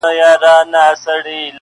نو ستا د لوړ قامت، کوچنی تشبه ساز نه يم؟